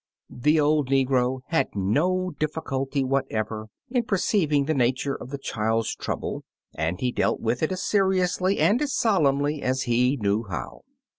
The old negro had no difficulty whatever in per io6 Brother Fox's Family Trouble ceiving the nature of the child's trouble, and he dealt with it as seriously and as solemnly as he knew how.